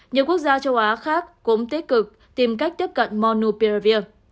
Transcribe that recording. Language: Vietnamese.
nhiều quốc gia châu á khác cũng tích cực tìm cách tiếp cận monuprevir